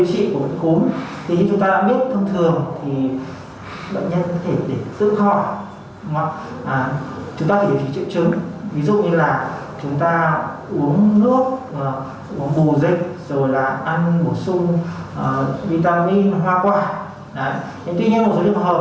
thêm nữa là chúng ta phải ăn uống đầy đủ dinh dưỡng đổ sung vitamin để nâng cao sức đề kháng